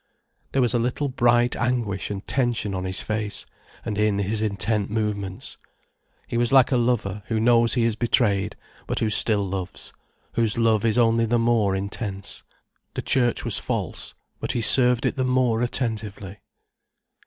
There was a little bright anguish and tension on his face, and in his intent movements. He was like a lover who knows he is betrayed, but who still loves, whose love is only the more intense. The church was false, but he served it the more attentively.